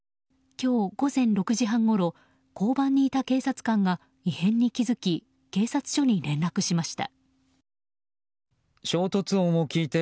今日午前６時半ごろ交番にいた警察官が異変に気づき警察署に連絡しました。